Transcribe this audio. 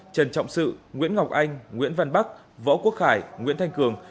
trần trọng sự nguyễn ngọc anh nguyễn văn bắc võ quốc khải nguyễn thanh cường